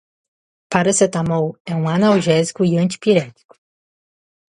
Paracetamol é um analgésico e antipirético.